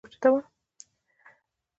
د دې سره سره پۀ جټکه وزن را اوچتول